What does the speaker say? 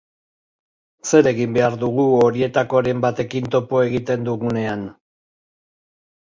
Zer egin behar dugu horietakoren batekin topo egiten dugunean?